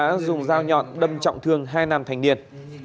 đã dùng dao nhọn đâm trọng thương hai nam thanh niên